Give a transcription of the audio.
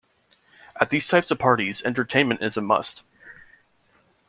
At these types of parties entertainment is a must.